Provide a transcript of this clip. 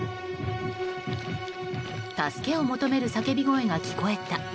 助けを求める叫び声が聞こえた。